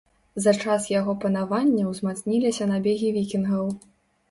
За час яго панавання ўзмацніліся набегі вікінгаў.